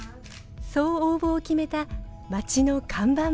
そう応募を決めた町の看板ばあちゃん。